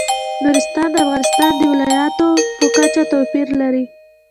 نورستان د افغانستان د ولایاتو په کچه توپیر لري.